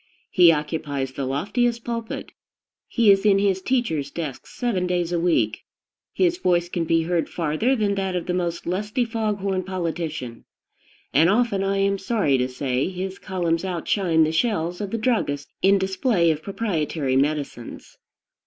He occupies the loftiest pulpit; he is in his teacher's desk seven days in the week; his voice can be heard farther than that of the most lusty fog horn politician; and often, I am sorry to say, his columns outshine the shelves of the druggist in display of proprietary medicines.